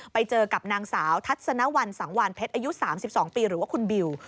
ไปเจอกับนางสาวทัศนวัลสังวานเพชรอายุ๓๒ปีหรือว่าคุณบิว